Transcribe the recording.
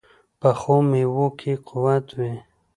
پخو میوو کې قوت وي